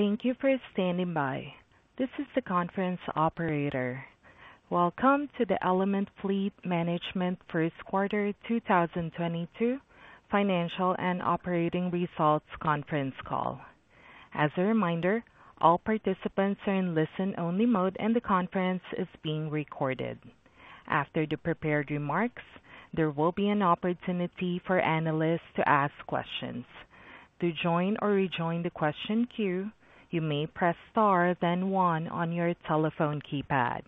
Thank you for standing by. This is the conference operator. Welcome to the Element Fleet Management first quarter 2022 financial and operating results conference call. As a reminder, all participants are in listen-only mode, and the conference is being recorded. After the prepared remarks, there will be an opportunity for analysts to ask questions. To join or rejoin the question queue, you may press star then one on your telephone keypad.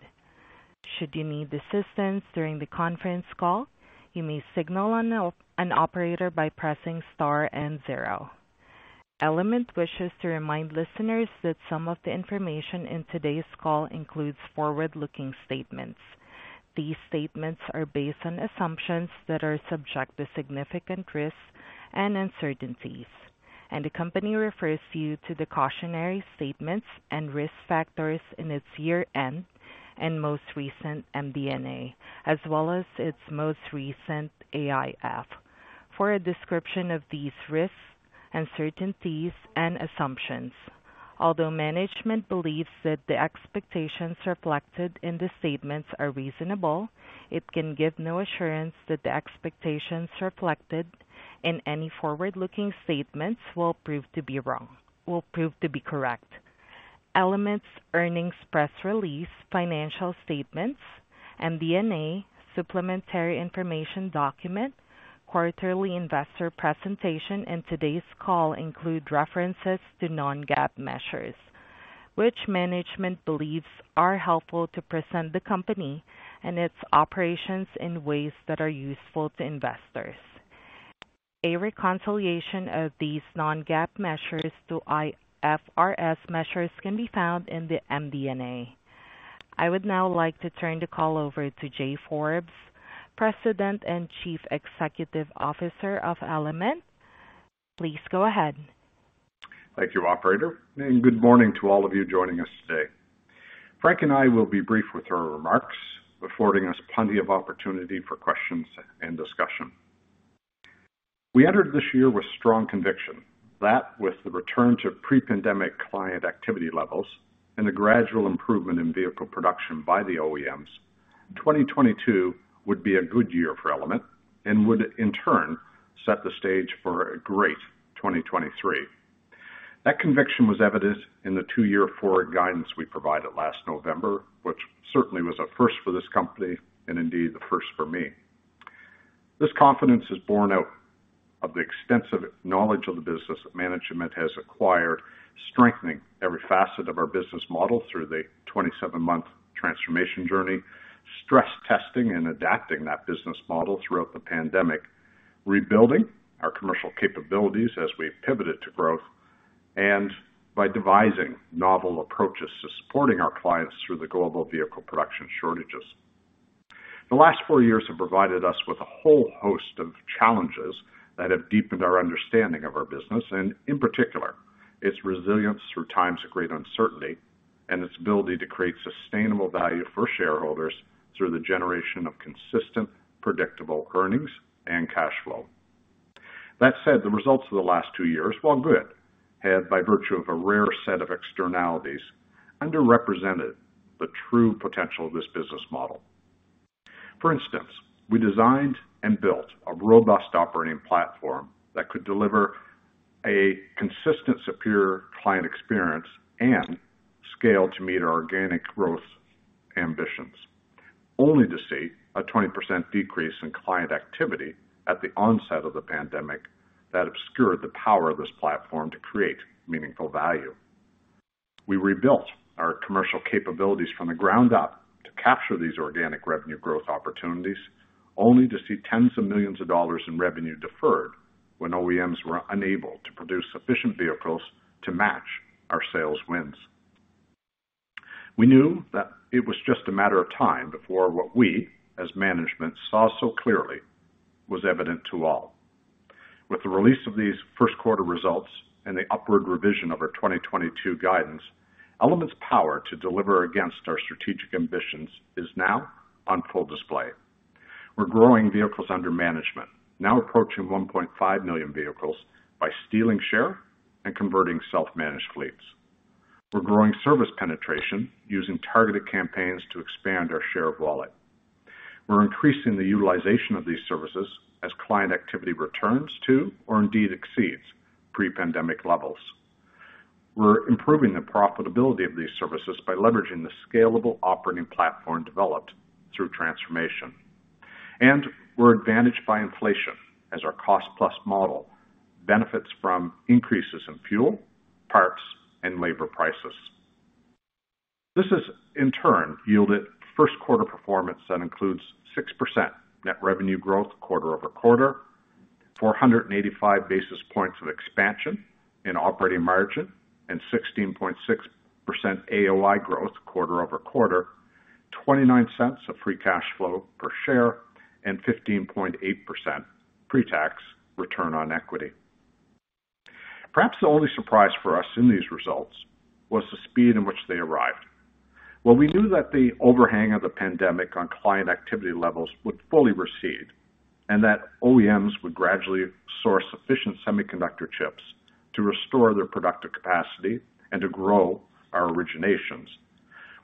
Should you need assistance during the conference call, you may signal an operator by pressing star and zero. Element wishes to remind listeners that some of the information in today's call includes forward-looking statements. These statements are based on assumptions that are subject to significant risks and uncertainties. The company refers you to the cautionary statements and risk factors in its year-end and most recent MD&A, as well as its most recent AIF, for a description of these risks, uncertainties, and assumptions. Although management believes that the expectations reflected in the statements are reasonable, it can give no assurance that the expectations reflected in any forward-looking statements will prove to be correct. Element's earnings press release, financial statements, MD&A, supplementary information document, quarterly investor presentation, and today's call include references to non-GAAP measures, which management believes are helpful to present the company and its operations in ways that are useful to investors. A reconciliation of these non-GAAP measures to IFRS measures can be found in the MD&A. I would now like to turn the call over to Jay Forbes, President and Chief Executive Officer of Element. Please go ahead. Thank you, operator, and good morning to all of you joining us today. Frank and I will be brief with our remarks, affording us plenty of opportunity for questions and discussion. We entered this year with strong conviction that with the return to pre-pandemic client activity levels and the gradual improvement in vehicle production by the OEMs, 2022 would be a good year for Element and would in turn set the stage for a great 2023. That conviction was evident in the two-year forward guidance we provided last November, which certainly was a first for this company and indeed the first for me. This confidence is borne out of the extensive knowledge of the business that management has acquired, strengthening every facet of our business model through the 27-month transformation journey, stress testing and adapting that business model throughout the pandemic, rebuilding our commercial capabilities as we pivoted to growth, and by devising novel approaches to supporting our clients through the global vehicle production shortages. The last four years have provided us with a whole host of challenges that have deepened our understanding of our business and, in particular, its resilience through times of great uncertainty and its ability to create sustainable value for shareholders through the generation of consistent, predictable earnings and cash flow. That said, the results of the last two years, while good, have, by virtue of a rare set of externalities, underrepresented the true potential of this business model. For instance, we designed and built a robust operating platform that could deliver a consistent, superior client experience and scale to meet our organic growth ambitions, only to see a 20% decrease in client activity at the onset of the pandemic that obscured the power of this platform to create meaningful value. We rebuilt our commercial capabilities from the ground up to capture these organic revenue growth opportunities, only to see $10 million in revenue deferred when OEMs were unable to produce sufficient vehicles to match our sales wins. We knew that it was just a matter of time before what we, as management, saw so clearly was evident to all. With the release of these first quarter results and the upward revision of our 2022 guidance, Element's power to deliver against our strategic ambitions is now on full display. We're growing vehicles under management, now approaching 1.5 million vehicles, by stealing share and converting self-managed fleets. We're growing service penetration using targeted campaigns to expand our share of wallet. We're increasing the utilization of these services as client activity returns to or indeed exceeds pre-pandemic levels. We're improving the profitability of these services by leveraging the scalable operating platform developed through transformation. We're advantaged by inflation as our cost-plus model benefits from increases in fuel, parts, and labor prices. This has in turn yielded first quarter performance that includes 6% net revenue growth quarter-over-quarter, 485 basis points of expansion in operating margin, and 16.6% AOI growth quarter-over-quarter, $0.29 of free cash flow per share, and 15.8% pre-tax return on equity. Perhaps the only surprise for us in these results was the speed in which they arrived. Well, we knew that the overhang of the pandemic on client activity levels would fully recede, and that OEMs would gradually source sufficient semiconductor chips to restore their productive capacity and to grow our originations.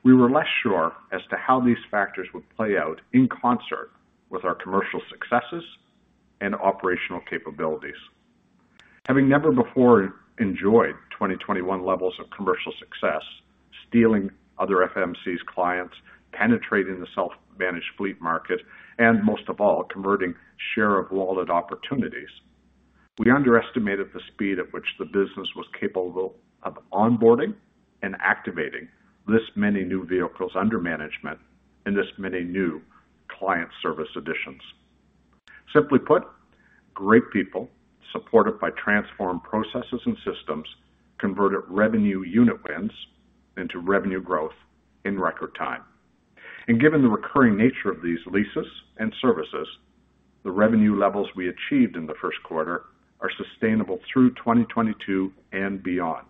We were less sure as to how these factors would play out in concert with our commercial successes and operational capabilities. Having never before enjoyed 2021 levels of commercial success, stealing other FMC's clients, penetrating the self-managed fleet market, and most of all, converting share of wallet opportunities, we underestimated the speed at which the business was capable of onboarding and activating this many new vehicles under management and this many new client service additions. Simply put, great people, supported by transformed processes and systems, converted revenue unit wins into revenue growth in record time. Given the recurring nature of these leases and services, the revenue levels we achieved in the first quarter are sustainable through 2022 and beyond,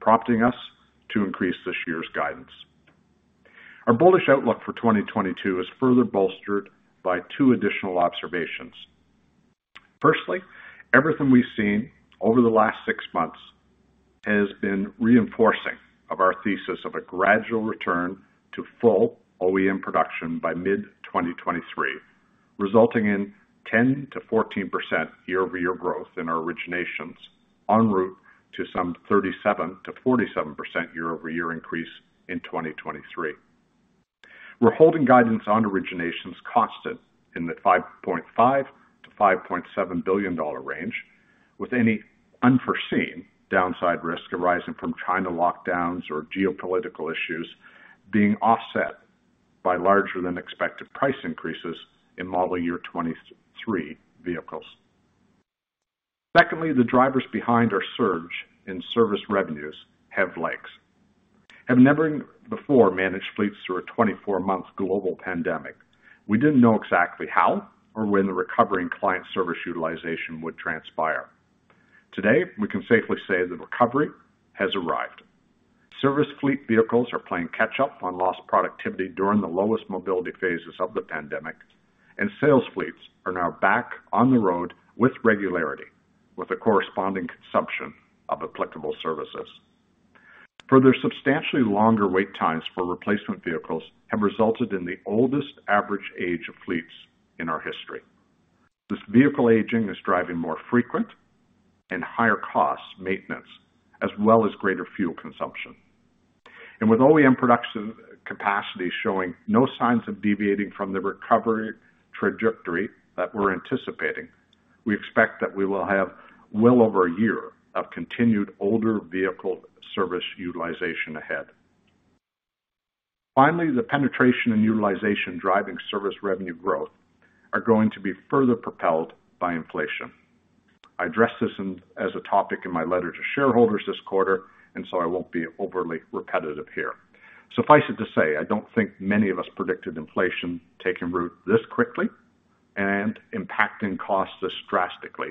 prompting us to increase this year's guidance. Our bullish outlook for 2022 is further bolstered by two additional observations. Firstly, everything we've seen over the last six months has been reinforcing of our thesis of a gradual return to full OEM production by mid-2023, resulting in 10%-14% year-over-year growth in our originations on route to some 37%-47% year-over-year increase in 2023. We're holding guidance on originations constant in the $5.5-5.7 billion range, with any unforeseen downside risk arising from China lockdowns or geopolitical issues being offset by larger than expected price increases in model year 2023 vehicles. Secondly, the drivers behind our surge in service revenues have legs. have never before managed fleets through a 24-month global pandemic, we didn't know exactly how or when the recovery in client service utilization would transpire. Today, we can safely say the recovery has arrived. Service fleet vehicles are playing catch up on lost productivity during the lowest mobility phases of the pandemic, and sales fleets are now back on the road with regularity, with a corresponding consumption of applicable services. Further, substantially longer wait times for replacement vehicles have resulted in the oldest average age of fleets in our history. This vehicle aging is driving more frequent and higher cost maintenance, as well as greater fuel consumption. With OEM production capacity showing no signs of deviating from the recovery trajectory that we're anticipating, we expect that we will have well over a year of continued older vehicle service utilization ahead. Finally, the penetration and utilization driving service revenue growth are going to be further propelled by inflation. I addressed this as a topic in my letter to shareholders this quarter, and so I won't be overly repetitive here. Suffice it to say, I don't think many of us predicted inflation taking root this quickly and impacting costs this drastically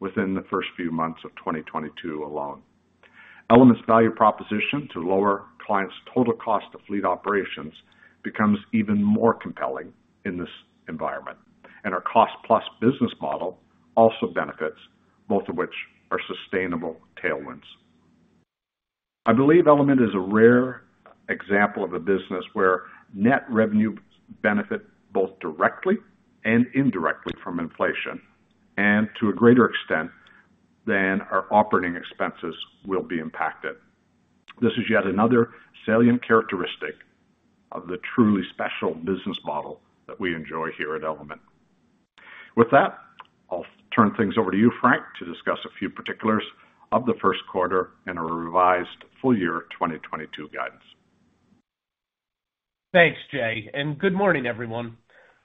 within the first few months of 2022 alone. Element's value proposition to lower clients' total cost of fleet operations becomes even more compelling in this environment. Our cost plus business model also benefits, both of which are sustainable tailwinds. I believe Element is a rare example of a business where net revenue benefit both directly and indirectly from inflation, and to a greater extent than our operating expenses will be impacted. This is yet another salient characteristic of the truly special business model that we enjoy here at Element. With that, I'll turn things over to you, Frank, to discuss a few particulars of the first quarter and a revised full year 2022 guidance. Thanks, Jay, and good morning, everyone.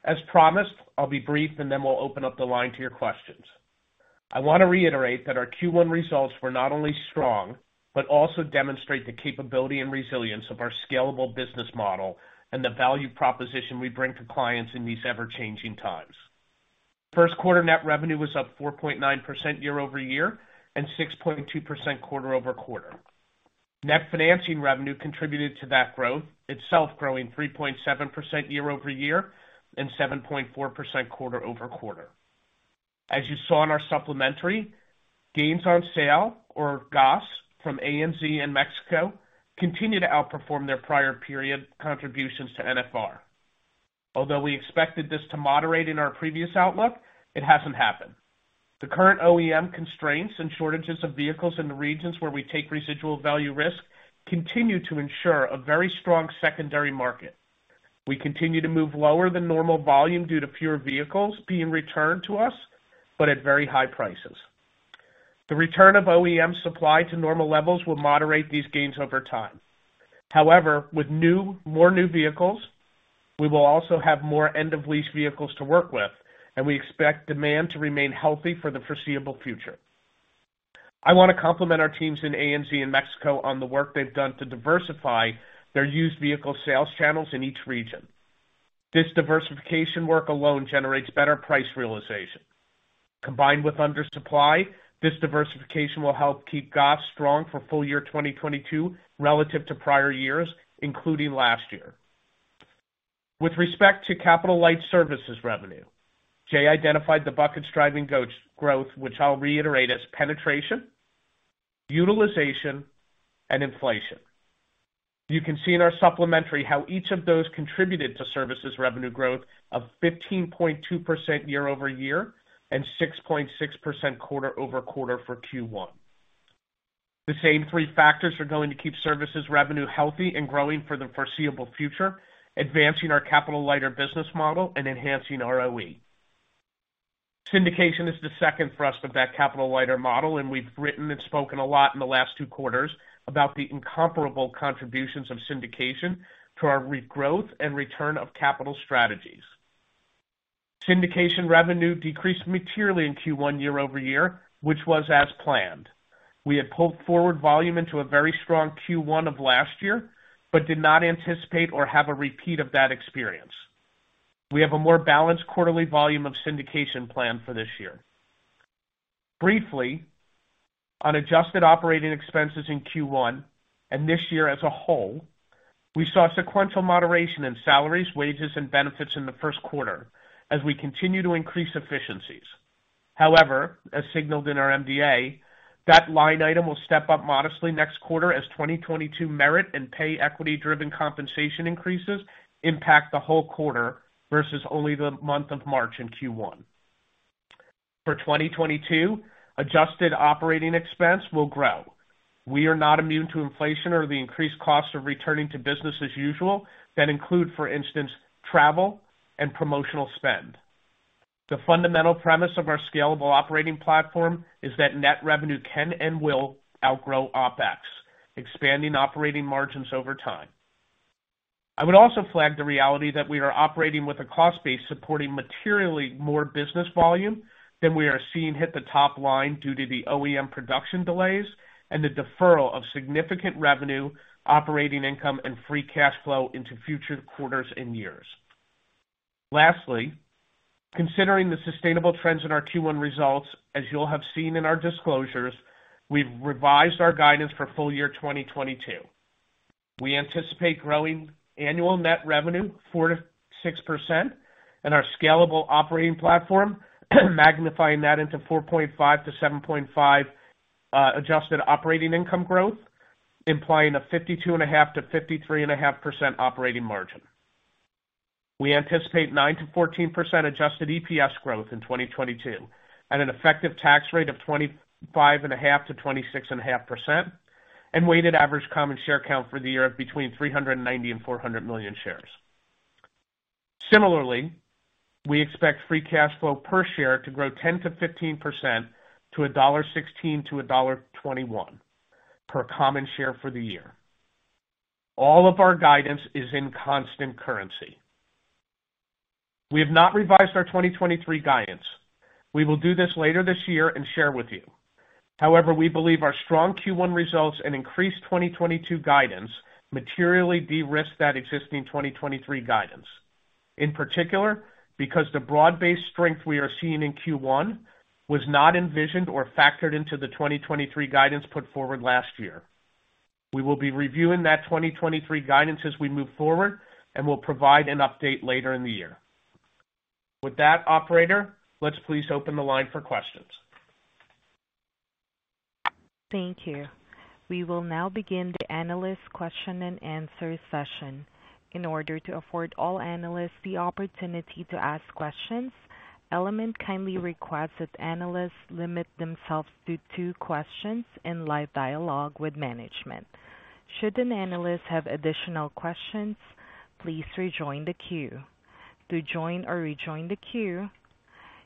As promised, I'll be brief and then we'll open up the line to your questions. I want to reiterate that our Q1 results were not only strong, but also demonstrate the capability and resilience of our scalable business model and the value proposition we bring to clients in these ever-changing times. First-quarter net revenue was up 4.9% year-over-year and 6.2% quarter-over-quarter. Net financing revenue contributed to that growth, itself growing 3.7% year-over-year and 7.4% quarter-over-quarter. As you saw in our supplementary, gains on sale or GAS from AMZ in Mexico continue to outperform their prior period contributions to NFR. Although we expected this to moderate in our previous outlook, it hasn't happened. The current OEM constraints and shortages of vehicles in the regions where we take residual value risk continue to ensure a very strong secondary market. We continue to move lower than normal volume due to fewer vehicles being returned to us, but at very high prices. The return of OEM supply to normal levels will moderate these gains over time. However, with more new vehicles, we will also have more end-of-lease vehicles to work with, and we expect demand to remain healthy for the foreseeable future. I want to compliment our teams in AMZ in Mexico on the work they've done to diversify their used vehicle sales channels in each region. This diversification work alone generates better price realization. Combined with undersupply, this diversification will help keep GAS strong for full year 2022 relative to prior years, including last year. With respect to capital light services revenue, Jay identified the buckets driving growth, which I'll reiterate as penetration, utilization, and inflation. You can see in our supplementary how each of those contributed to services revenue growth of 15.2% year-over-year and 6.6% quarter-over-quarter for Q1. The same three factors are going to keep services revenue healthy and growing for the foreseeable future, advancing our capital lighter business model and enhancing ROE. Syndication is the second thrust of that capital lighter model, and we've written and spoken a lot in the last two quarters about the incomparable contributions of syndication to our regrowth and return of capital strategies. Syndication revenue decreased materially in Q1 year-over-year, which was as planned. We had pulled forward volume into a very strong Q1 of last year, but did not anticipate or have a repeat of that experience. We have a more balanced quarterly volume of syndication plan for this year. Briefly, on adjusted operating expenses in Q1, and this year as a whole, we saw sequential moderation in salaries, wages and benefits in the first quarter as we continue to increase efficiencies. However, as signaled in our MD&A, that line item will step up modestly next quarter as 2022 merit and pay equity driven compensation increases impact the whole quarter versus only the month of March in Q1. For 2022, adjusted operating expense will grow. We are not immune to inflation or the increased cost of returning to business as usual that include, for instance, travel and promotional spend. The fundamental premise of our scalable operating platform is that net revenue can and will outgrow OpEx, expanding operating margins over time. I would also flag the reality that we are operating with a cost base supporting materially more business volume than we are seeing hit the top line due to the OEM production delays and the deferral of significant revenue, operating income, and free cash flow into future quarters and years. Lastly, considering the sustainable trends in our Q1 results, as you'll have seen in our disclosures, we've revised our guidance for full year 2022. We anticipate growing annual net revenue 4%-6% and our scalable operating platform magnifying that into 4.5%-7.5% adjusted operating income growth, implying a 52.5%-53.5% operating margin. We anticipate 9%-14% adjusted EPS growth in 2022 at an effective tax rate of 25.5%-26.5%, and weighted average common share count for the year of between $390 and $400 million shares. Similarly, we expect free cash flow per share to grow 10%-15% to $16-21 per common share for the year. All of our guidance is in constant currency. We have not revised our 2023 guidance. We will do this later this year and share with you. However, we believe our strong Q1 results and increased 2022 guidance materially de-risk that existing 2023 guidance, in particular, because the broad-based strength we are seeing in Q1 was not envisioned or factored into the 2023 guidance put forward last year. We will be reviewing that 2023 guidance as we move forward and will provide an update later in the year. With that, operator, let's please open the line for questions. Thank you. We will now begin the analyst question and answer session. In order to afford all analysts the opportunity to ask questions, Element kindly requests that analysts limit themselves to two questions and live dialogue with management. Should an analyst have additional questions, please rejoin the queue. To join or rejoin the queue,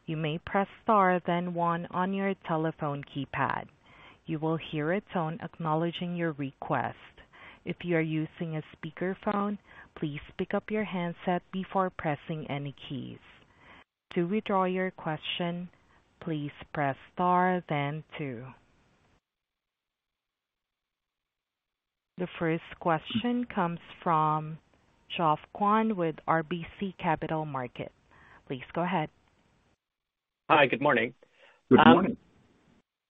you may press Star then one on your telephone keypad. You will hear a tone acknowledging your request. If you are using a speakerphone, please pick up your handset before pressing any keys. To withdraw your question, please press Star then two. The first question comes from Geoff Kwan with RBC Capital Markets, please go ahead. Hi. Good morning. Good morning.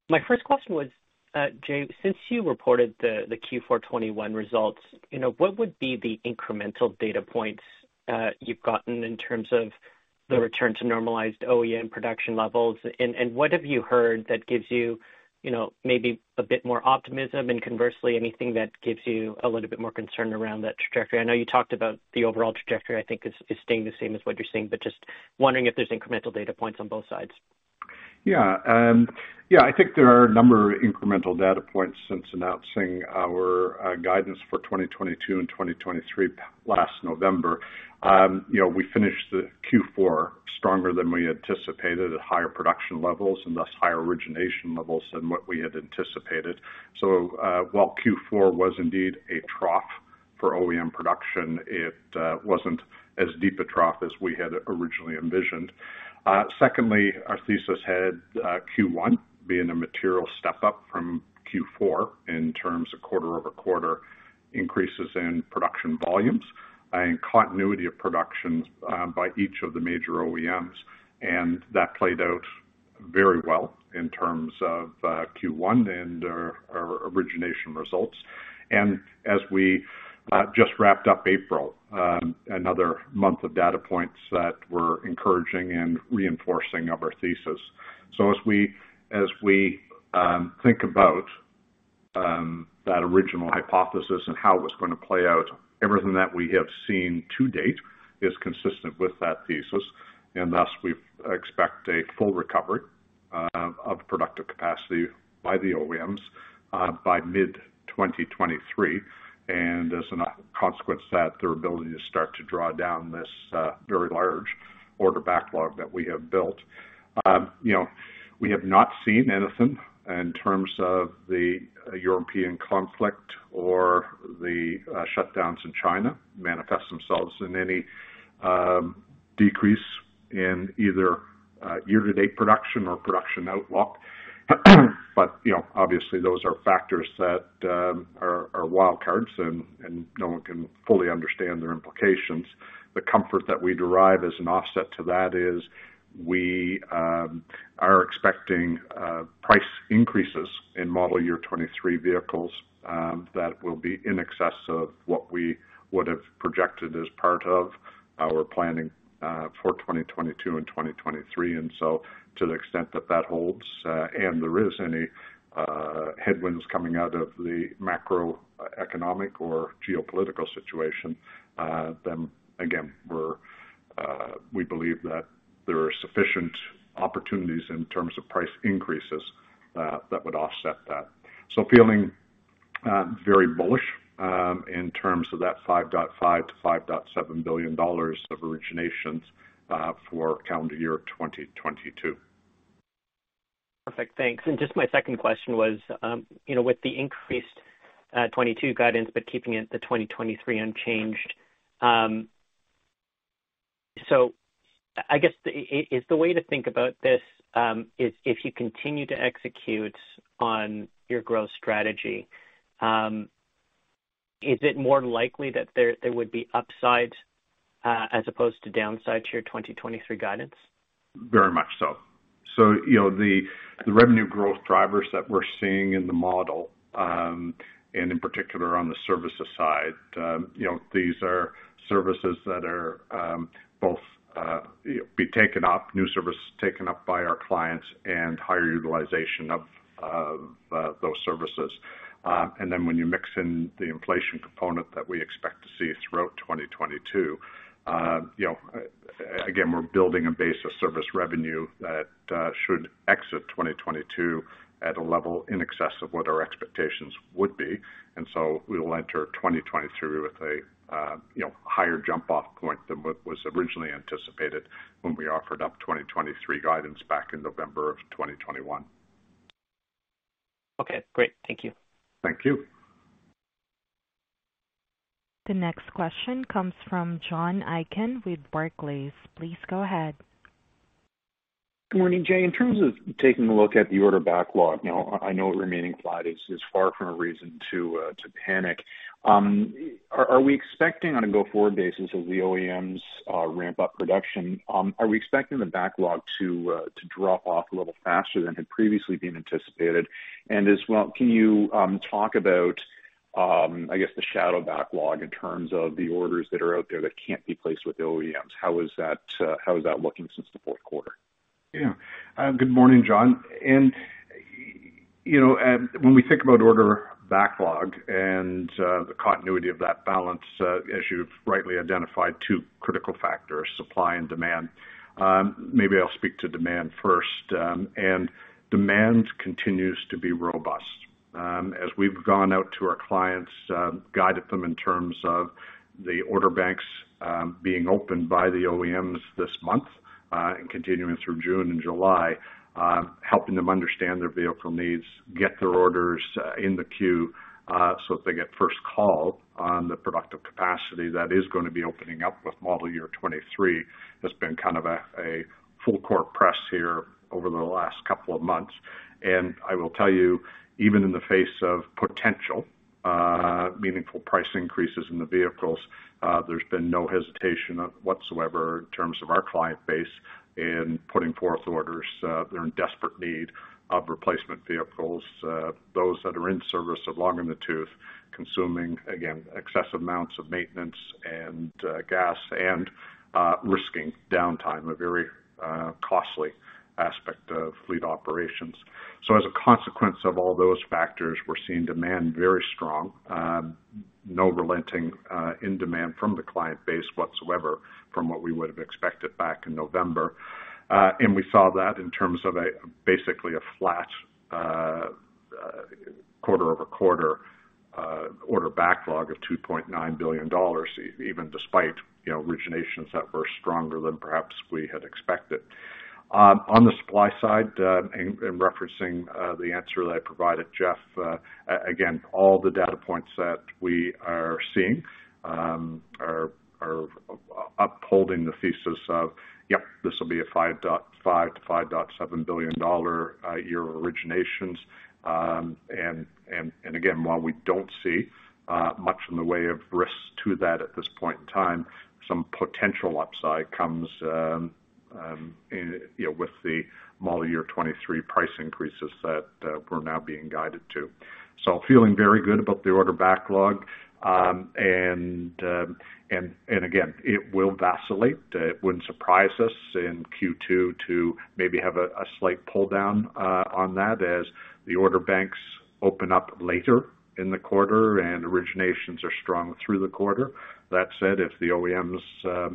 My first question was, Jay, since you reported the Q4 2021 results, you know, what would be the incremental data points you've gotten in terms of the return to normalized OEM production levels? What have you heard that gives you know, maybe a bit more optimism and conversely anything that gives you a little bit more concern around that trajectory? I know you talked about the overall trajectory I think is staying the same as what you're seeing, but just wondering if there's incremental data points on both sides. Yeah. I think there are a number of incremental data points since announcing our guidance for 2022 and 2023 last November. You know, we finished the Q4 stronger than we anticipated at higher production levels and thus higher origination levels than what we had anticipated. While Q4 was indeed a trough for OEM production, it wasn't as deep a trough as we had originally envisioned. Secondly, our thesis had Q1 being a material step up from Q4 in terms of quarter-over-quarter Increases in production volumes and continuity of productions by each of the major OEMs, and that played out very well in terms of Q1 and our origination results. As we just wrapped up April, another month of data points that were encouraging and reinforcing of our thesis. As we think about that original hypothesis and how it was gonna play out, everything that we have seen to date is consistent with that thesis. Thus we expect a full recovery of productive capacity by the OEMs by mid-2023, and as a consequence that their ability to start to draw down this very large order backlog that we have built. You know, we have not seen anything in terms of the European conflict or the shutdowns in China manifest themselves in any decrease in either year-to-date production or production outlook. You know, obviously those are factors that are wild cards and no one can fully understand their implications. The comfort that we derive as an offset to that is we are expecting price increases in model year 2023 vehicles that will be in excess of what we would have projected as part of our planning for 2022 and 2023. To the extent that that holds and there is any headwinds coming out of the macroeconomic or geopolitical situation, then again, we believe that there are sufficient opportunities in terms of price increases that would offset that. Feeling very bullish in terms of that $5.5-5.7 billion of originations for calendar year 2022. Perfect. Thanks. Just my second question was, you know, with the increased 2022 guidance, but keeping it the 2023 unchanged, so I guess the way to think about this is if you continue to execute on your growth strategy, is it more likely that there would be upside as opposed to downside to your 2023 guidance? Very much so. You know, the revenue growth drivers that we're seeing in the model, and in particular on the services side, you know, these are services that are both new services taken up by our clients and higher utilization of those services. And then when you mix in the inflation component that we expect to see throughout 2022, you know, again, we're building a base of service revenue that should exit 2022 at a level in excess of what our expectations would be. We will enter 2023 with a you know, higher jump off point than what was originally anticipated when we offered up 2023 guidance back in November of 2021. Okay, great. Thank you. Thank you. The next question comes from John Aiken with Barclays. Please go ahead. Good morning, Jay. In terms of taking a look at the order backlog, now I know remaining flight is far from a reason to panic. Are we expecting on a go-forward basis as the OEMs ramp up production the backlog to drop off a little faster than had previously been anticipated? As well, can you talk about, I guess the shadow backlog in terms of the orders that are out there that can't be placed with the OEMs? How is that looking since the fourth quarter? Yeah. Good morning, John Aiken. You know, when we think about order backlog and the continuity of that balance, as you've rightly identified two critical factors, supply and demand, maybe I'll speak to demand first. Demand continues to be robust. As we've gone out to our clients, guided them in terms of the order banks being opened by the OEMs this month, and continuing through June and July, helping them understand their vehicle needs, get their orders in the queue, so that they get first call on the productive capacity that is gonna be opening up with model year 2023. That's been kind of a full court press here over the last couple of months. I will tell you, even in the face of potential, meaningful price increases in the vehicles, there's been no hesitation whatsoever in terms of our client base in putting forth orders. They're in desperate need of replacement vehicles. Those that are in service are long in the tooth, consuming, again, excessive amounts of maintenance and, gas and, risking downtime, a very, costly aspect of fleet operations. As a consequence of all those factors, we're seeing demand very strong. No relenting in demand from the client base whatsoever from what we would've expected back in November. We saw that in terms of a basically flat, quarter-over-quarter, order backlog of $2.9 billion, even despite, you know, originations that were stronger than perhaps we had expected. On the supply side, in referencing the answer that I provided Geoff, again, all the data points that we are seeing are upholding the thesis of, yep, this will be a $5.5-5.7 billion year originations. And again, while we don't see much in the way of risk to that at this point in time, some potential upside comes, you know, with the model year 2023 price increases that we're now being guided to. Feeling very good about the order backlog. And again, it will vacillate. It wouldn't surprise us in Q2 to maybe have a slight pull down on that as the order banks open up later in the quarter and originations are strong through the quarter. That said, if the OEMs are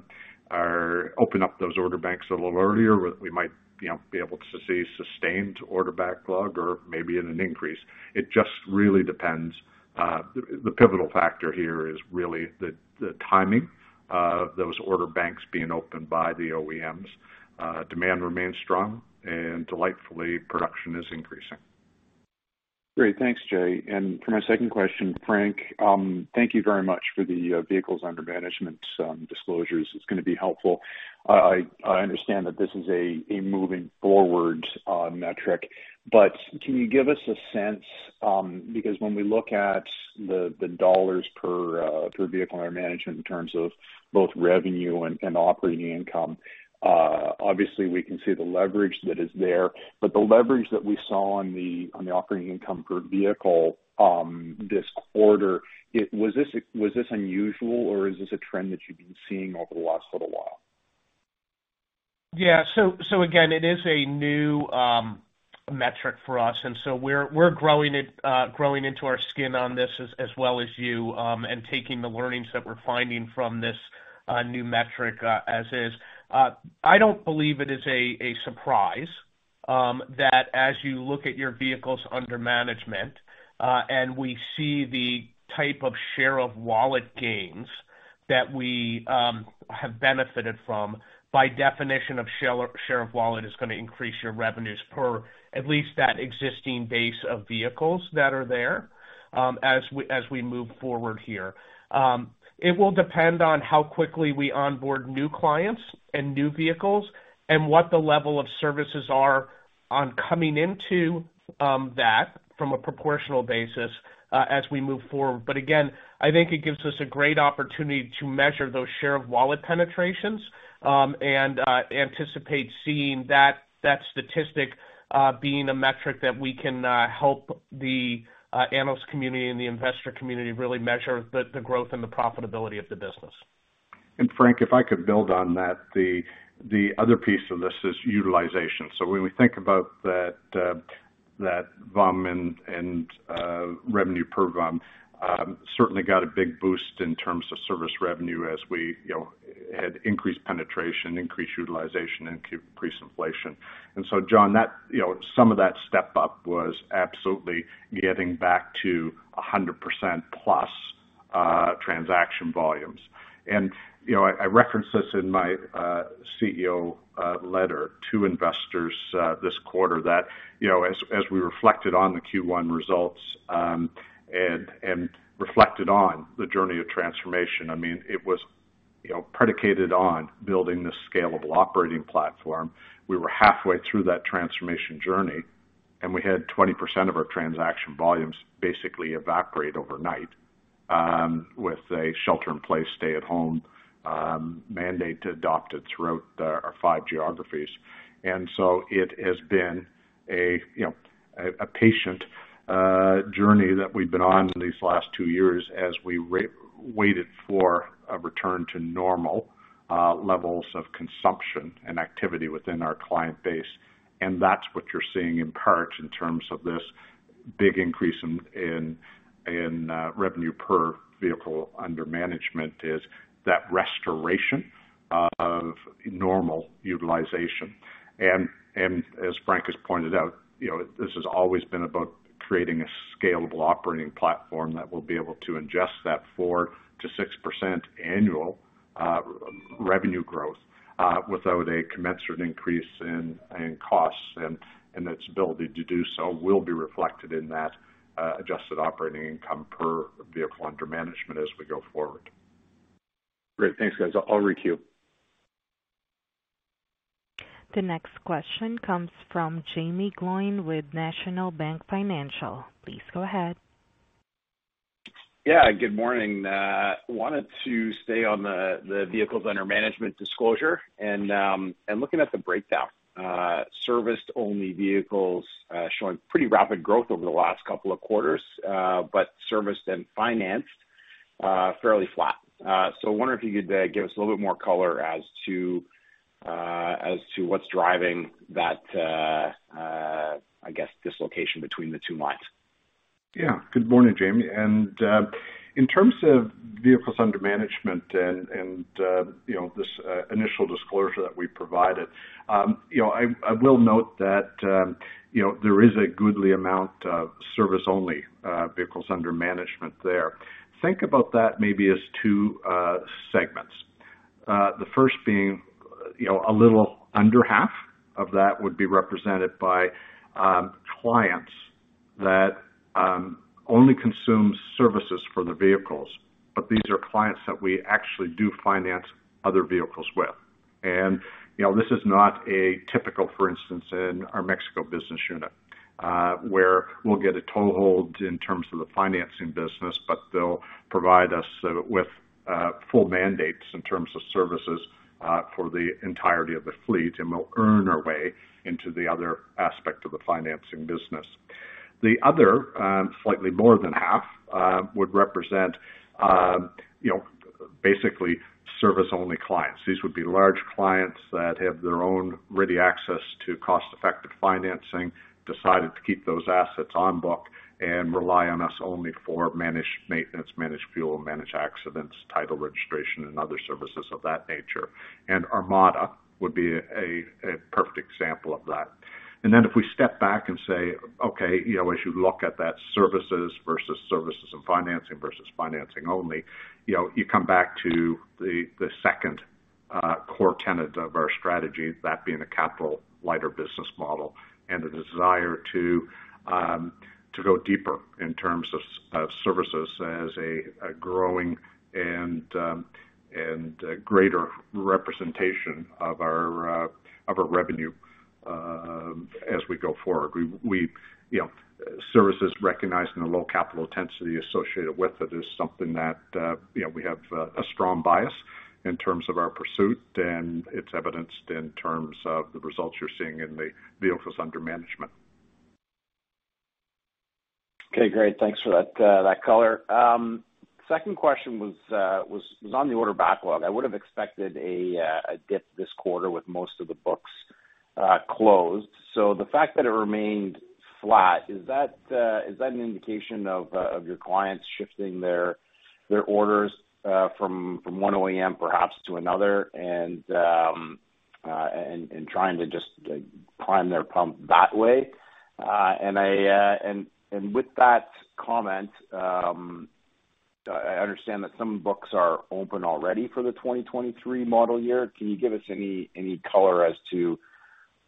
open up those order banks a little earlier, we might, you know, be able to see sustained order backlog or maybe an increase. It just really depends, the pivotal factor here is really the timing of those order banks being opened by the OEMs. Demand remains strong and fleet production is increasing. Great. Thanks, Jay. For my second question, Frank, thank you very much for the vehicles under management disclosures. It's gonna be helpful. I understand that this is a moving forward metric, but can you give us a sense, because when we look at the dollars per vehicle under management in terms of both revenue and operating income, obviously we can see the leverage that is there. But the leverage that we saw on the operating income per vehicle this quarter, was this unusual or is this a trend that you've been seeing over the last little while? Again, it is a new metric for us, and we're growing it, growing into our skin on this as well as you, and taking the learnings that we're finding from this new metric, as is. I don't believe it is a surprise that as you look at your vehicles under management, and we see the type of share of wallet gains that we have benefited from, by definition of share of wallet is gonna increase your revenues per at least that existing base of vehicles that are there, as we move forward here. It will depend on how quickly we onboard new clients and new vehicles and what the level of services are on coming into that from a proportional basis, as we move forward. I think it gives us a great opportunity to measure those share of wallet penetrations, and anticipate seeing that statistic being a metric that we can help the analyst community and the investor community really measure the growth and the profitability of the business. Frank, if I could build on that, the other piece of this is utilization. When we think about that VUM and revenue per VUM certainly got a big boost in terms of service revenue as we, you know, had increased penetration, increased utilization, increased inflation. You know, I referenced this in my CEO letter to investors this quarter that, you know, as we reflected on the Q1 results and reflected on the journey of transformation, I mean, it was, you know, predicated on building this scalable operating platform. We were halfway through that transformation journey, and we had 20% of our transaction volumes basically evaporate overnight, with a shelter-in-place, stay-at-home, mandate adopted throughout our five geographies. It has been you know, a patient, journey that we've been on these last two years as we waited for a return to normal levels of consumption and activity within our client base. That's what you're seeing in part in terms of this big increase in revenue per vehicle under management is that restoration of normal utilization. as Frank has pointed out, you know, this has always been about creating a scalable operating platform that will be able to ingest that 4%-6% annual revenue growth without a commensurate increase in costs, and its ability to do so will be reflected in that adjusted operating income per vehicle under management as we go forward. Great. Thanks, guys. I'll requeue. The next question comes from Jaeme Gloyn with National Bank Financial. Please go ahead. Yeah, good morning. Wanted to stay on the vehicles under management disclosure and looking at the breakdown, serviced only vehicles showing pretty rapid growth over the last couple of quarters, but serviced and financed fairly flat. I wonder if you could give us a little bit more color as to what's driving that, I guess, dislocation between the two lines. Yeah. Good morning, Jaeme. In terms of vehicles under management and you know, this initial disclosure that we provided, you know, I will note that, you know, there is a goodly amount of service only vehicles under management there. Think about that maybe as two segments. The first being, you know, a little under half of that would be represented by clients that only consume services for their vehicles, but these are clients that we actually do finance other vehicles with. You know, this is not a typical, for instance, in our Mexico business unit, where we'll get a toehold in terms of the financing business, but they'll provide us with full mandates in terms of services for the entirety of the fleet, and we'll earn our way into the other aspect of the financing business. The other, slightly more than half, would represent, you know, basically service-only clients. These would be large clients that have their own ready access to cost-effective financing, decided to keep those assets on book, and rely on us only for managed maintenance, managed fuel, managed accidents, title registration, and other services of that nature. Armada would be a perfect example of that. If we step back and say, "Okay, you know, as you look at that services versus services and financing versus financing only," you know, you come back to the second core tenet of our strategy, that being a capital-lighter business model, and the desire to go deeper in terms of of services as a growing and a greater representation of our revenue as we go forward. We you know services recognized and the low capital intensity associated with it is something that you know we have a strong bias in terms of our pursuit, and it's evidenced in terms of the results you're seeing in the vehicles under management. Okay, great. Thanks for that color. Second question was on the order backlog. I would have expected a dip this quarter with most of the books closed. The fact that it remained flat, is that an indication of your clients shifting their orders from one OEM perhaps to another, and trying to just, like, prime their pump that way? With that comment, I understand that some books are open already for the 2023 model year. Can you give us any color as to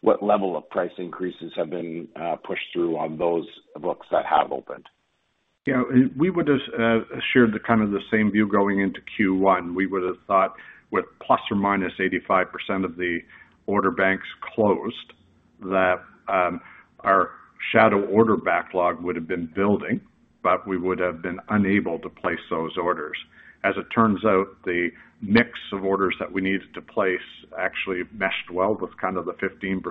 what level of price increases have been pushed through on those books that have opened? We would've shared the kind of the same view going into Q1. We would have thought with ±85% of the order banks closed, that our shadow order backlog would have been building, but we would have been unable to place those orders. As it turns out, the mix of orders that we needed to place actually meshed well with kind of the 15%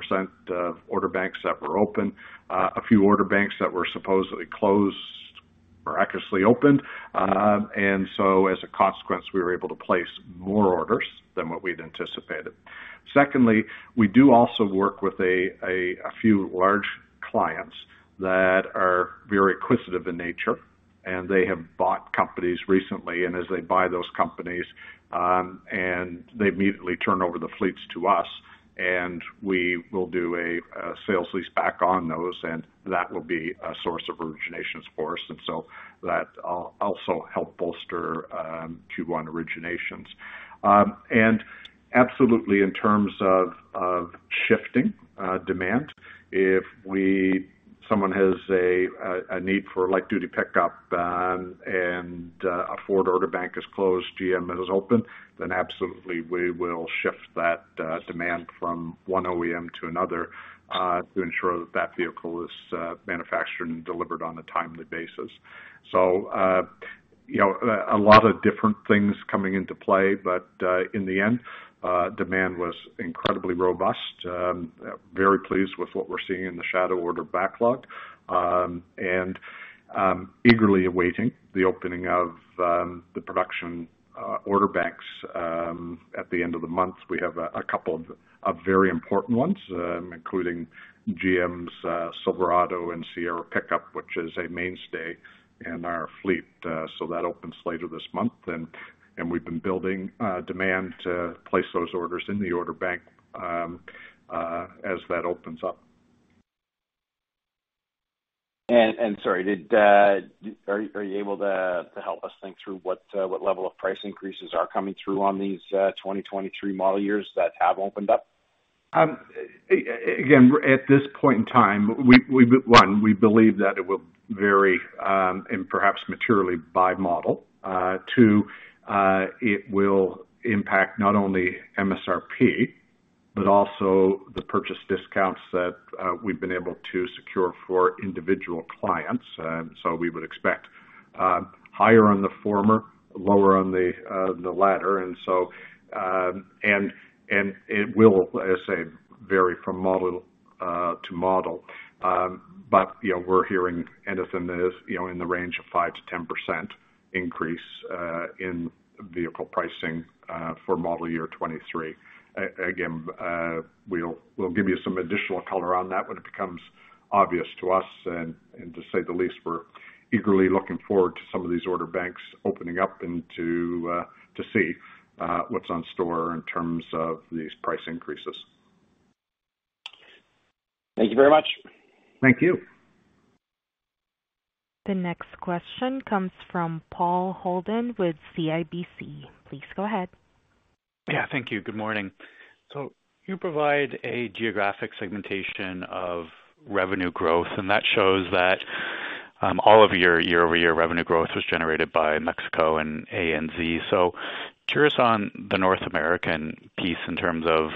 of order banks that were open. A few order banks that were supposedly closed miraculously opened. As a consequence, we were able to place more orders than what we'd anticipated. Secondly, we do also work with a few large clients that are very acquisitive in nature, and they have bought companies recently. As they buy those companies, and they immediately turn over the fleets to us, and we will do a sale-leaseback on those, and that will be a source of originations for us. That also helped bolster Q1 originations. Absolutely, in terms of shifting demand, if someone has a need for a light-duty pickup, and a Ford order bank is closed, GM is open, then absolutely, we will shift that demand from one OEM to another to ensure that that vehicle is manufactured and delivered on a timely basis. You know, a lot of different things coming into play, but in the end, demand was incredibly robust. Very pleased with what we're seeing in the shadow order backlog. Eagerly awaiting the opening of the production order banks at the end of the month. We have a couple of very important ones, including GM's Silverado and Sierra pickup, which is a mainstay in our fleet. That opens later this month, and we've been building demand to place those orders in the order bank as that opens up. Sorry, are you able to help us think through what level of price increases are coming through on these 2023 model years that have opened up? Again, at this point in time, one, we believe that it will vary and perhaps materially by model. Two, it will impact not only MSRP, but also the purchase discounts that we've been able to secure for individual clients. We would expect higher on the former, lower on the latter. It will, as I say, vary from model to model. You know, we're hearing anything that is, you know, in the range of 5%-10% increase in vehicle pricing for model year 2023. We'll give you some additional color on that when it becomes obvious to us. To say the least, we're eagerly looking forward to some of these order banks opening up and to see what's in store in terms of these price increases. Thank you very much. Thank you. The next question comes from Paul Holden with CIBC. Please go ahead. Yeah, thank you. Good morning. You provide a geographic segmentation of revenue growth, and that shows that all of your year-over-year revenue growth was generated by Mexico and ANZ. Curious on the North American piece in terms of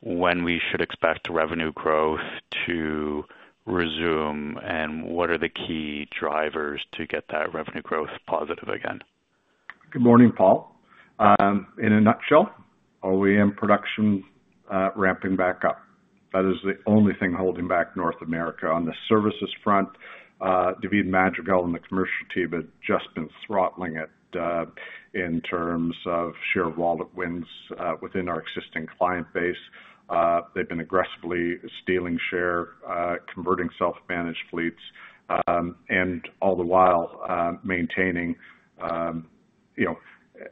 when we should expect revenue growth to resume and what are the key drivers to get that revenue growth positive again? Good morning, Paul. In a nutshell, OEM production ramping back up. That is the only thing holding back North America. On the services front, David Madrigal and the commercial team have just been throttling it, in terms of share wallet wins, within our existing client base. They've been aggressively stealing share, converting self-managed fleets, and all the while, maintaining, you know,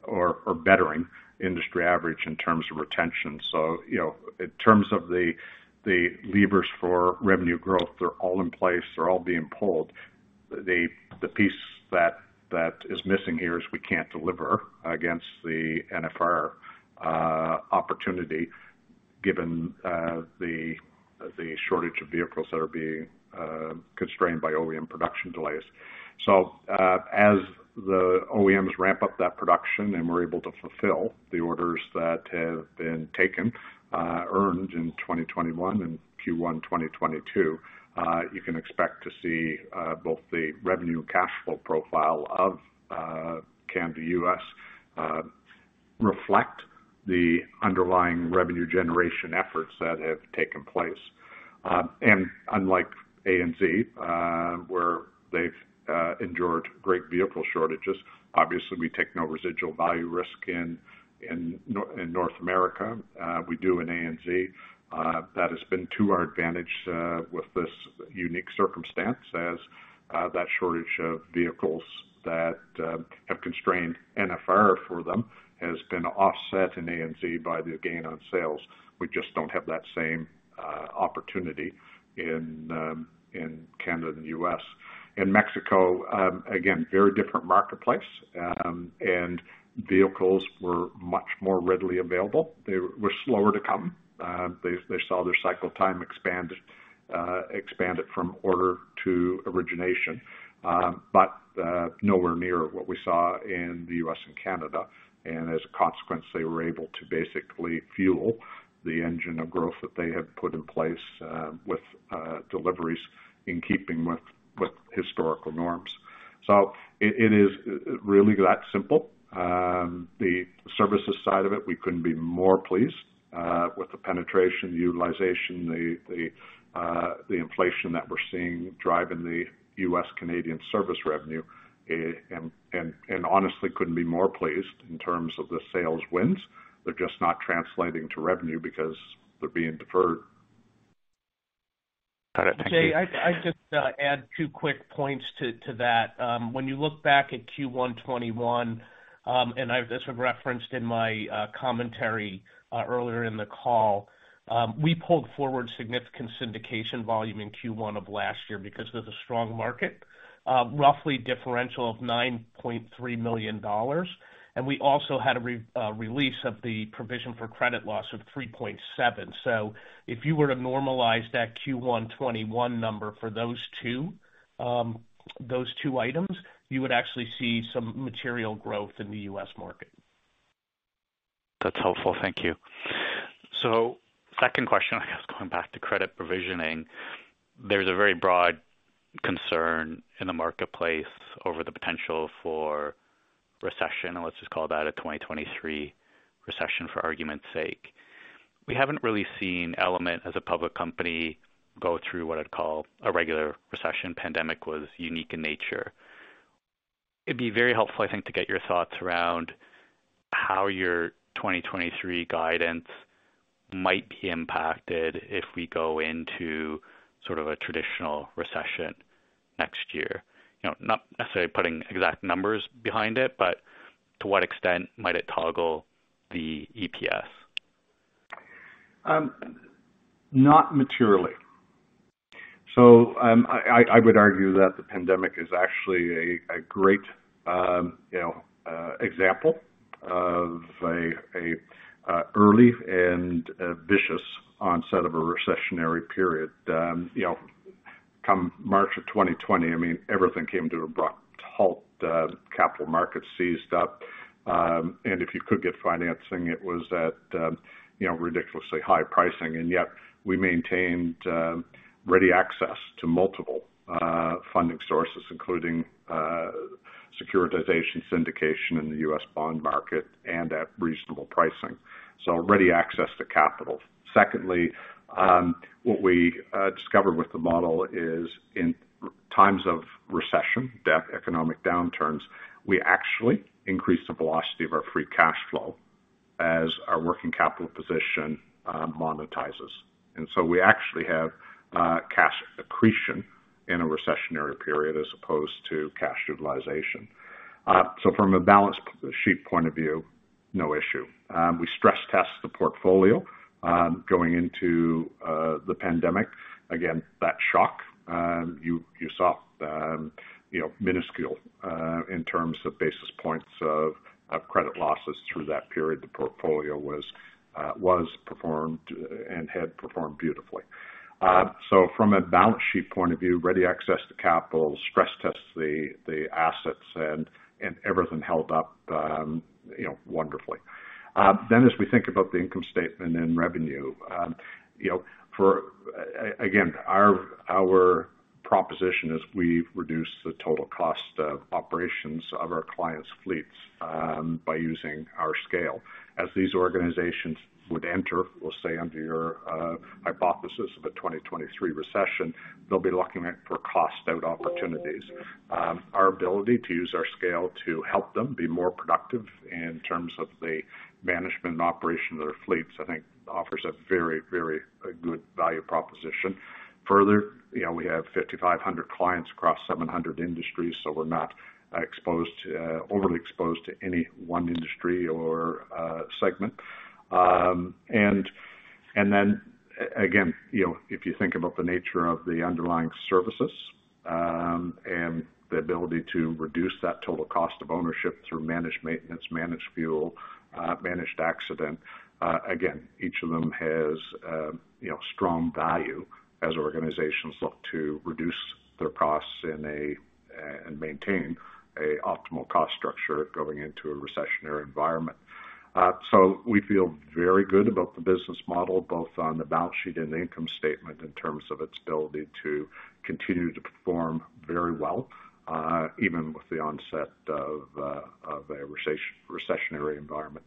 or bettering industry average in terms of retention. You know, in terms of the levers for revenue growth, they're all in place, they're all being pulled. The piece that is missing here is we can't deliver against the NFR opportunity given, the shortage of vehicles that are being constrained by OEM production delays. As the OEMs ramp up that production and we're able to fulfill the orders that have been taken, earned in 2021 and Q1 2022, you can expect to see both the revenue cash flow profile of Canada, U.S., reflect the underlying revenue generation efforts that have taken place. Unlike ANZ, where they've endured great vehicle shortages, obviously we take no residual value risk in North America. We do in ANZ. That has been to our advantage with this unique circumstance as that shortage of vehicles that have constrained NFR for them has been offset in ANZ by the gain on sales. We just don't have that same opportunity in Canada and U.S. In Mexico, again, very different marketplace, and vehicles were much more readily available. They were slower to come. They saw their cycle time expand from order to origination, but nowhere near what we saw in the U.S. and Canada. As a consequence, they were able to basically fuel the engine of growth that they had put in place with deliveries in keeping with historical norms. It is really that simple. The services side of it, we couldn't be more pleased with the penetration utilization, the inflation that we're seeing driving the U.S. and Canadian service revenue. Honestly couldn't be more pleased in terms of the sales wins. They're just not translating to revenue because they're being deferred. Got it. Thank you. Jay, I'd just add two quick points to that. When you look back at Q1 2021, and I've just referenced in my commentary earlier in the call, we pulled forward significant syndication volume in Q1 of last year because there's a strong market differential of $9.3 million. We also had a release of the provision for credit loss of $3.7 million. If you were to normalize that Q1 2021 number for those two items, you would actually see some material growth in the US market. That's helpful. Thank you. Second question, I guess, going back to credit provisioning. There's a very broad concern in the marketplace over the potential for recession. Let's just call that a 2023 recession for argument's sake. We haven't really seen Element as a public company go through what I'd call a regular recession. Pandemic was unique in nature. It'd be very helpful, I think, to get your thoughts around how your 2023 guidance might be impacted if we go into sort of a traditional recession next year. You know, not necessarily putting exact numbers behind it, but to what extent might it toggle the EPS? Not materially. I would argue that the pandemic is actually a great example of an early and a vicious onset of a recessionary period. You know, come March of 2020, I mean, everything came to an abrupt halt. Capital markets seized up. If you could get financing, it was at, you know, ridiculously high pricing. Yet, we maintained ready access to multiple funding sources, including securitization, syndication in the U.S. bond market and at reasonable pricing. Ready access to capital. Secondly, what we discovered with the model is in times of recession, debt, economic downturns, we actually increase the velocity of our free cash flow as our working capital position monetizes. We actually have cash accretion in a recessionary period as opposed to cash utilization. From a balance sheet point of view, no issue. We stress test the portfolio, going into the pandemic. Again, that shock, you saw, you know, minuscule in terms of basis points of credit losses through that period. The portfolio was performed and had performed beautifully. From a balance sheet point of view, ready access to capital, stress test the assets and everything held up, you know, wonderfully. As we think about the income statement and revenue, you know, again, our proposition is we've reduced the total cost of operations of our clients' fleets by using our scale. As these organizations would enter, we'll say under your hypothesis of a 2023 recession, they'll be looking for cost out opportunities. Our ability to use our scale to help them be more productive in terms of the management and operation of their fleets, I think offers a very good value proposition. Further, you know, we have 5,500 clients across 700 industries, so we're not overly exposed to any one industry or segment. If you think about the nature of the underlying services, and the ability to reduce that total cost of ownership through managed maintenance, managed fuel, managed accident, again, each of them has, you know, strong value as organizations look to reduce their costs and maintain an optimal cost structure going into a recessionary environment. We feel very good about the business model, both on the balance sheet and the income statement in terms of its ability to continue to perform very well, even with the onset of a recessionary environment.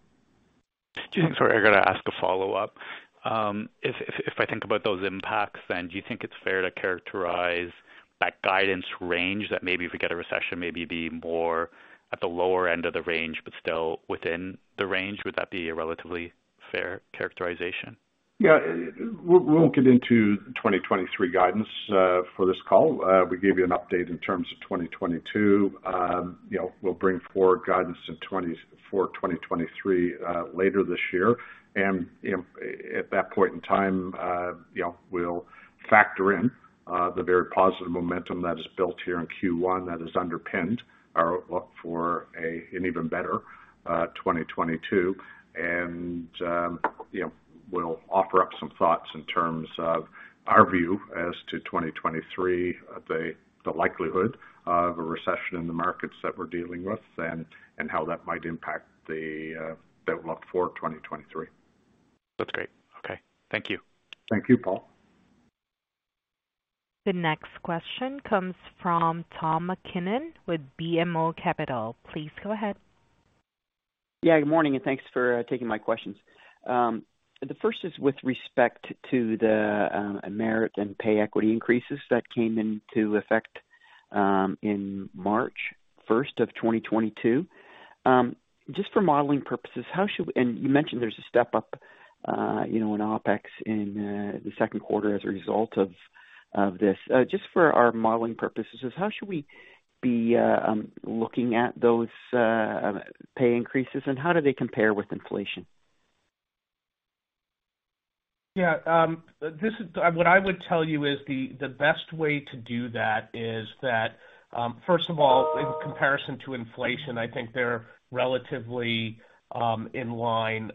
Sorry, I gotta ask a follow-up. If I think about those impacts, then do you think it's fair to characterize that guidance range that maybe if we get a recession, maybe be more at the lower end of the range but still within the range? Would that be a relatively fair characterization? Yeah. We won't get into 2023 guidance for this call. We gave you an update in terms of 2022. You know, we'll bring forward guidance for 2023 later this year. You know, at that point in time, you know, we'll factor in the very positive momentum that is built here in Q1 that has underpinned our outlook for an even better 2022. You know, we'll offer up some thoughts in terms of our view as to 2023, the likelihood of a recession in the markets that we're dealing with and how that might impact the outlook for 2023. That's great. Okay. Thank you. Thank you, Paul. The next question comes from Tom MacKinnon with BMO Capital. Please go ahead. Yeah, good morning, and thanks for taking my questions. The first is with respect to the merit and pay equity increases that came into effect in March 1st, 2022. Just for modeling purposes, you mentioned there's a step up, you know, in OpEx in the second quarter as a result of this. Just for our modeling purposes, how should we be looking at those pay increases, and how do they compare with inflation? Yeah. What I would tell you is the best way to do that is that, first of all, in comparison to inflation, I think they're relatively in line,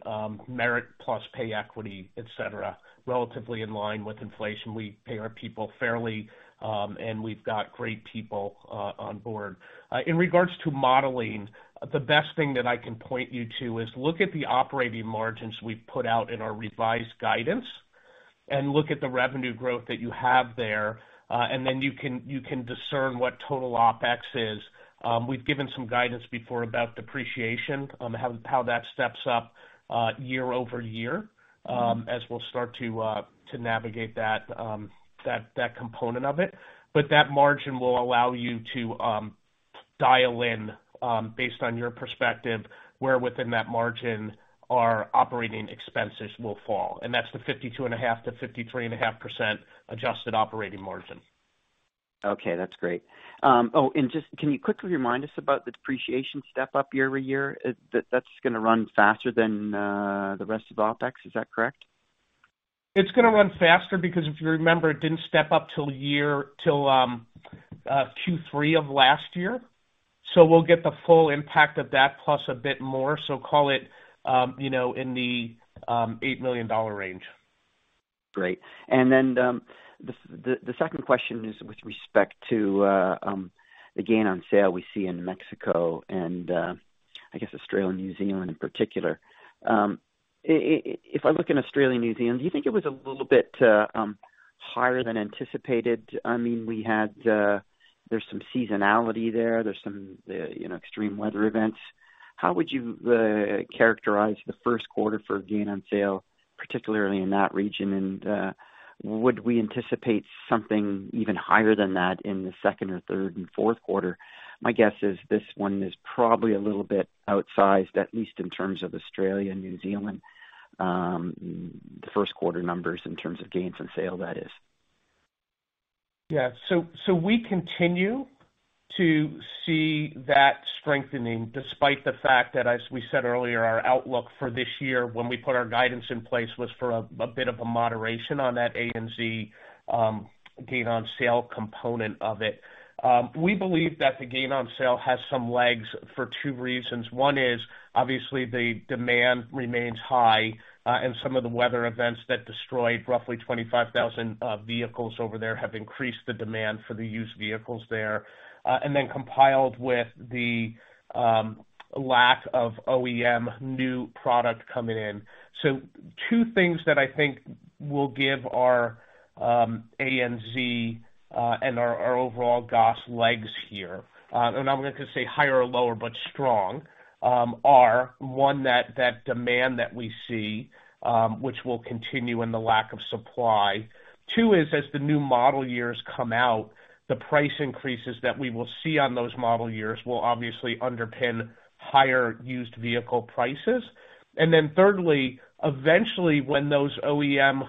merit plus pay equity, etc., relatively in line with inflation. We pay our people fairly, and we've got great people on board. In regards to modeling, the best thing that I can point you to is look at the operating margins we've put out in our revised guidance and look at the revenue growth that you have there, and then you can discern what total OpEx is. We've given some guidance before about depreciation, how that steps up year-over-year, as we'll start to navigate that component of it. That margin will allow you to dial in, based on your perspective, where within that margin our operating expenses will fall. That's the 52.5%-53.5% adjusted operating margin. Okay, that's great. Oh, and just can you quickly remind us about the depreciation step up year-over-year? That's gonna run faster than the rest of OpEx, is that correct? It's gonna run faster because if you remember, it didn't step up till Q3 of last year. We'll get the full impact of that plus a bit more. Call it, you know, in the $8 million range. Great. The second question is with respect to the gain on sale we see in Mexico and I guess Australia and New Zealand in particular. If I look in Australia and New Zealand, do you think it was a little bit higher than anticipated? I mean, we had, there's some seasonality there. There's some you know, extreme weather events. How would you characterize the first quarter for gain on sale, particularly in that region? Would we anticipate something even higher than that in the second or third and fourth quarter? My guess is this one is probably a little bit outsized, at least in terms of Australia and New Zealand, the first quarter numbers in terms of gain on sale, that is. We continue to see that strengthening despite the fact that, as we said earlier, our outlook for this year when we put our guidance in place was for a bit of a moderation on that ANZ gain on sale component of it. We believe that the gain on sale has some legs for two reasons. One is obviously the demand remains high, and some of the weather events that destroyed roughly 25,000 vehicles over there have increased the demand for the used vehicles there, and then compounded with the lack of OEM new product coming in. Two things that I think will give our ANZ and our overall GOS legs here, and I'm not gonna say higher or lower but strong, are, one, that demand that we see, which will continue in the lack of supply. Two is as the new model years come out, the price increases that we will see on those model years will obviously underpin higher used vehicle prices. Then thirdly, eventually, when those OEM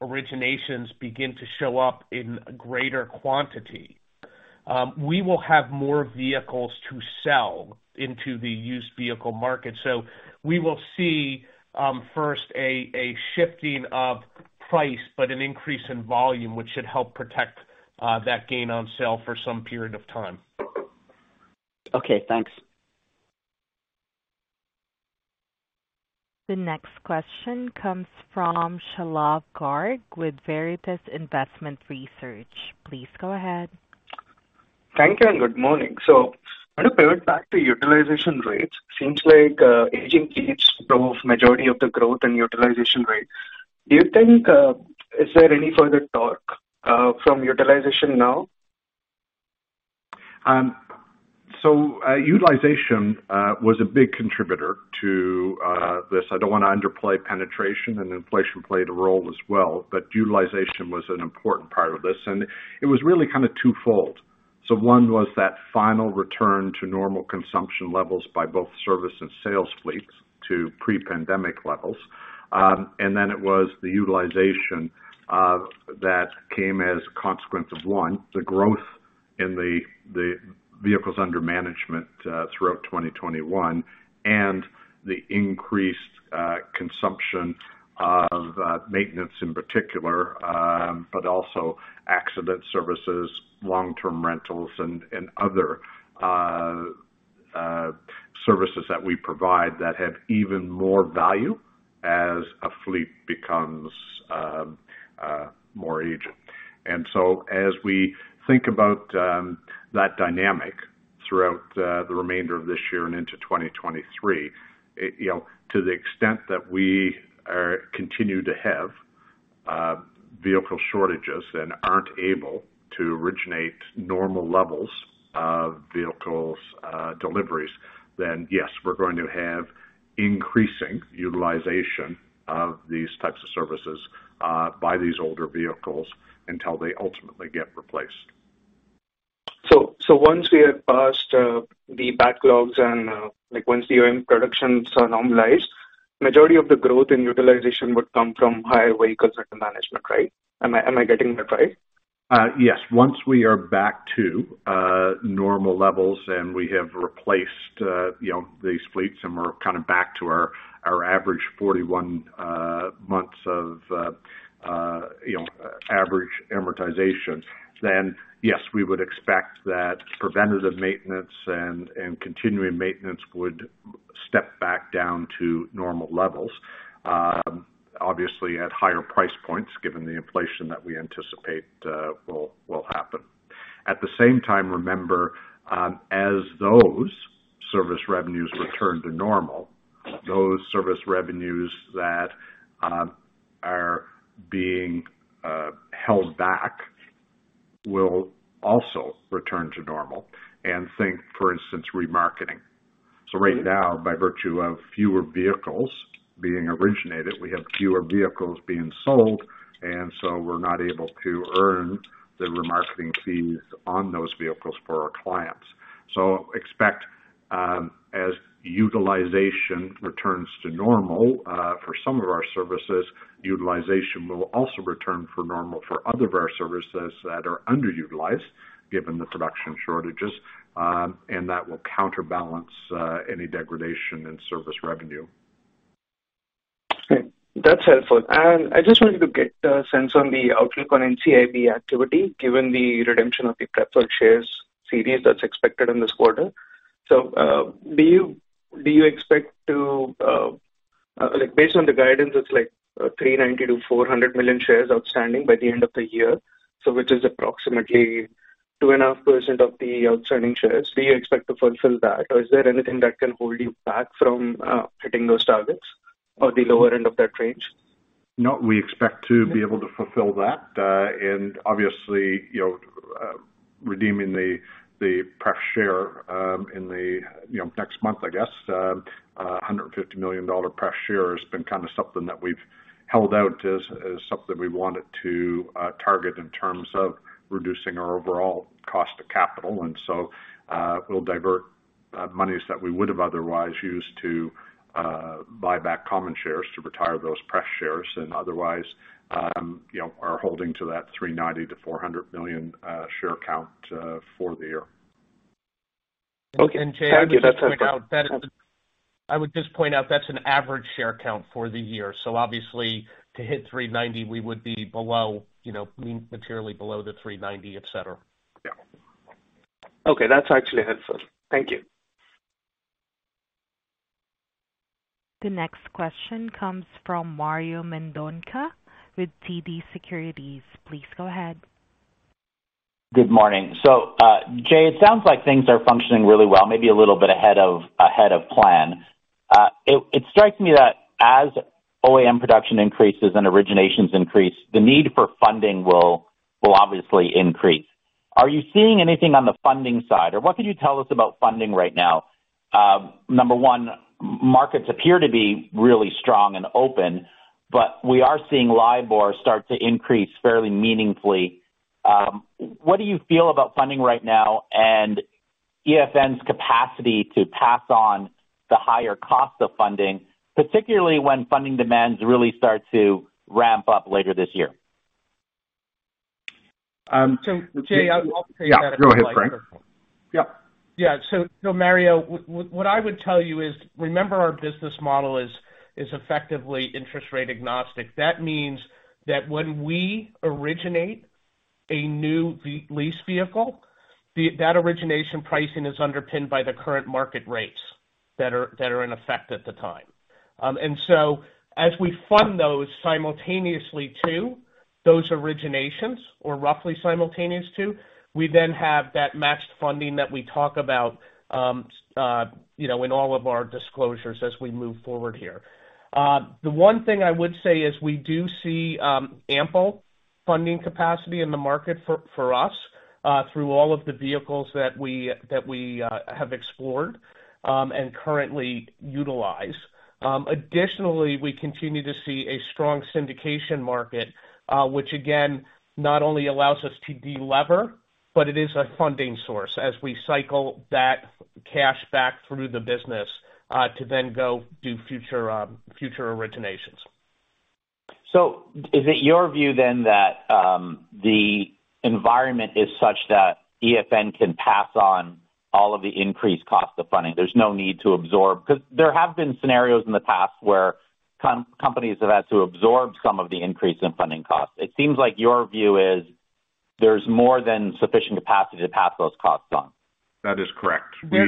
originations begin to show up in greater quantity, we will have more vehicles to sell into the used vehicle market. We will see first a shifting of price, but an increase in volume, which should help protect that gain on sale for some period of time. Okay, thanks. The next question comes from Shalabh Garg with Veritas Investment Research. Please go ahead. Thank you, and good morning. I want to pivot back to utilization rates. Seems like aging fleets drove majority of the growth and utilization rate. Do you think is there any further talk from utilization now? Utilization was a big contributor to this. I don't wanna underplay penetration, and inflation played a role as well, but utilization was an important part of this, and it was really kind of twofold. One was that final return to normal consumption levels by both service and sales fleets to pre-pandemic levels. Then it was the utilization that came as a consequence of, one, the growth in the vehicles under management throughout 2021, and the increased consumption of maintenance in particular, but also accident services, long-term rentals and other services that we provide that have even more value as a fleet becomes more aged. As we think about that dynamic throughout the remainder of this year and into 2023, you know, to the extent that we continue to have vehicle shortages and aren't able to originate normal levels of vehicles, deliveries, then yes, we're going to have increasing utilization of these types of services by these older vehicles until they ultimately get replaced. Once we have passed the backlogs and, like once the OEM productions are normalized, majority of the growth in utilization would come from higher vehicles under management, right? Am I getting that right? Yes. Once we are back to normal levels and we have replaced, you know, these fleets and we're kind of back to our average 41 months of average amortization, then yes, we would expect that preventative maintenance and continuing maintenance would step back down to normal levels. Obviously at higher price points, given the inflation that we anticipate will happen. At the same time, remember, as those service revenues return to normal, those service revenues that are being held back will also return to normal. Think, for instance, remarketing. Right now, by virtue of fewer vehicles being originated, we have fewer vehicles being sold, and we're not able to earn the remarketing fees on those vehicles for our clients. Expect, as utilization returns to normal for some of our services, utilization will also return to normal for other of our services that are underutilized given the production shortages, and that will counterbalance any degradation in service revenue. Okay, that's helpful. I just wanted to get a sense on the outlook on NCIB activity, given the redemption of the preferred shares series that's expected in this quarter. Do you expect to, like based on the guidance, it's like, $390-400 million shares outstanding by the end of the year, which is approximately 2.5% of the outstanding shares. Do you expect to fulfill that? Or is there anything that can hold you back from hitting those targets or the lower end of that range? No, we expect to be able to fulfill that. Obviously, you know, redeeming the preferred share in the next month, I guess, $150 million preferred share has been kind of something that we've held out as something we wanted to target in terms of reducing our overall cost of capital. We'll divert monies that we would have otherwise used to buy back common shares to retire those preferred shares and otherwise, you know, are holding to that $390-400 million share count for the year. Okay. Thank you. That's helpful. Jay, I would just point out that's an average share count for the year. Obviously to hit $3.90 we would be below, you know, materially below the $3.90, etc. Yeah. Okay. That's actually helpful. Thank you. The next question comes from Mario Mendonca with TD Securities. Please go ahead. Good morning. Jay, it sounds like things are functioning really well, maybe a little bit ahead of plan. It strikes me that as OEM production increases and originations increase, the need for funding will obviously increase. Are you seeing anything on the funding side? Or what can you tell us about funding right now? Number one, markets appear to be really strong and open, but we are seeing LIBOR start to increase fairly meaningfully. What do you feel about funding right now and EFN's capacity to pass on the higher cost of funding, particularly when funding demands really start to ramp up later this year? Um, so- Jay, I'll take that if you'd like. Yeah, go ahead, Frank. Yeah. Mario, what I would tell you is, remember our business model is effectively interest rate agnostic. That means that when we originate a new lease vehicle, that origination pricing is underpinned by the current market rates that are in effect at the time. As we fund those simultaneously to those originations or roughly simultaneous to, we then have that matched funding that we talk about, you know, in all of our disclosures as we move forward here. The one thing I would say is we do see ample funding capacity in the market for us, through all of the vehicles that we have explored and currently utilize. Additionally, we continue to see a strong syndication market, which again, not only allows us to deliver, but it is a funding source as we cycle that cash back through the business, to then go do future originations. Is it your view then that the environment is such that EFN can pass on all of the increased cost of funding? There's no need to absorb. 'Cause there have been scenarios in the past where companies have had to absorb some of the increase in funding costs. It seems like your view is there's more than sufficient capacity to pass those costs on. That is correct. Yeah.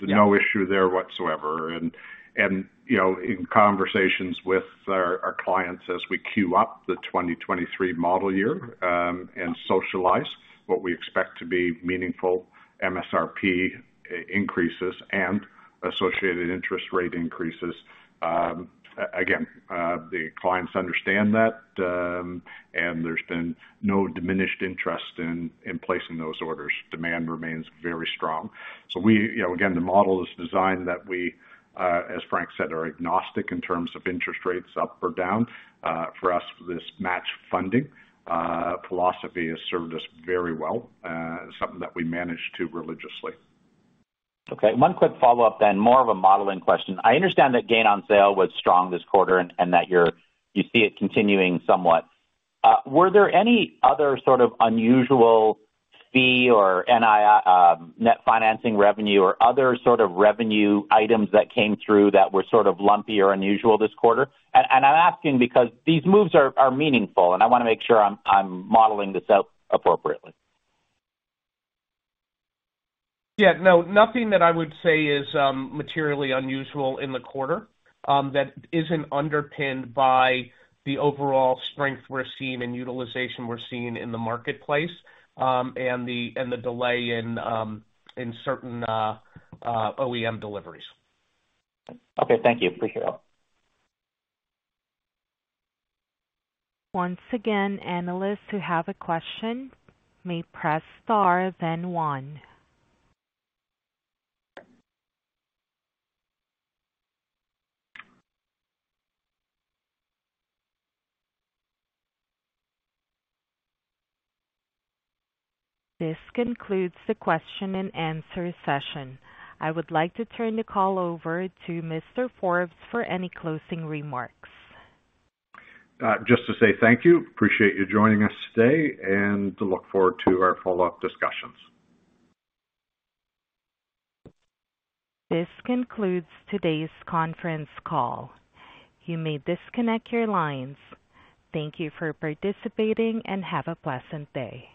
No issue there whatsoever. You know, in conversations with our clients as we queue up the 2023 model year, and socialize what we expect to be meaningful MSRP increases and associated interest rate increases, again, the clients understand that, and there's been no diminished interest in placing those orders. Demand remains very strong. We, you know, again, the model is designed that we, as Frank said, are agnostic in terms of interest rates up or down. For us, this matched funding philosophy has served us very well, something that we manage to religiously. Okay, one quick follow-up. More of a modeling question. I understand that gain on sale was strong this quarter and that you see it continuing somewhat. Were there any other sort of unusual fee or NII, net financing revenue or other sort of revenue items that came through that were sort of lumpy or unusual this quarter? I'm asking because these moves are meaningful, and I wanna make sure I'm modeling this out appropriately. Yeah. No, nothing that I would say is materially unusual in the quarter that isn't underpinned by the overall strength we're seeing and utilization we're seeing in the marketplace, and the delay in certain OEM deliveries. Okay, thank you. Appreciate it. Once again, analysts who have a question may press Star then one. This concludes the question and answer session. I would like to turn the call over to Mr. Forbes for any closing remarks. Just to say thank you. Appreciate you joining us today and look forward to our follow-up discussions. This concludes today's conference call. You may disconnect your lines. Thank you for participating and have a pleasant day.